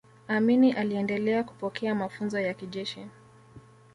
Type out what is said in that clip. amini aliendelea kupokea mafunzo ya kijeshi